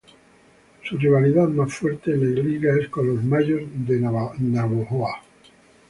Su rivalidad más fuerte en la liga es con los Mayos de Navojoa.